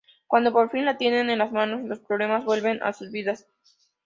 Cuando por fin la tienen en las manos, los problemas vuelven a sus vidas.